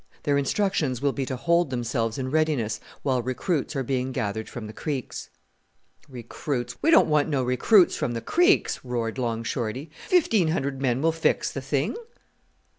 Their instructions will be to hold themselves in readiness while recruits are being gathered from the creeks." "Recruits! We don't want no recruits from the creeks," roared Long Shorty. "Fifteen hundred men will fix the thing."